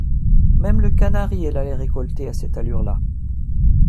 Même le canari, elle allait récolter, à cette allure-là.